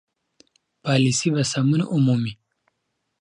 پالیسي به سمون ومومي.